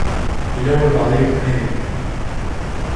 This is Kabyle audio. Yella walebɛaḍ i yukren idrimen-iw.